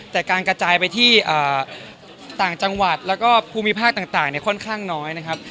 แต่การกระจายไปที่ต่างจังหวัดแล้วก็ภูมิภาคต่างค่อนข้างน้อยนะครับ